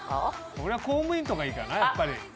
俺は公務員とかいいかなやっぱり。